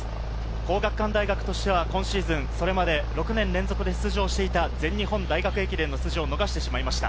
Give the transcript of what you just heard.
皇學館大学としては今シーズン、それまで６年連続出場していた全日本大学駅伝の出場を逃してしまいました。